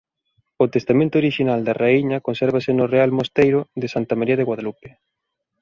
O testamento orixinal da raíña consérvase no real mosteiro de Santa María de Guadalupe.